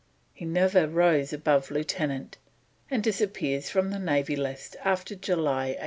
He never rose above lieutenant, and disappears from the Navy List after July 1800.